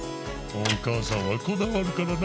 おかあさんはこだわるからな。